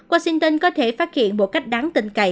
washington có thể phát hiện một cách đáng tình cậy